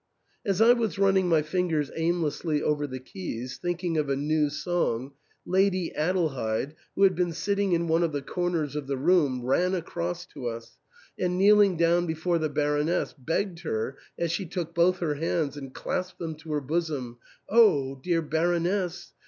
As I was running my fingers aimlessly over the keys, thinking of a new song. Lady Adelheid, who had been sitting in one of the comers of the room, ran across to us, and, kneeling down before the Baroness, begged her, as she took both her hands and clasped them to her bosom, " Oh, dear Baroness